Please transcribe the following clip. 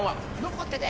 残ってて！